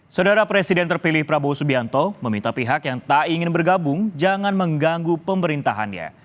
saudara presiden terpilih prabowo subianto meminta pihak yang tak ingin bergabung jangan mengganggu pemerintahannya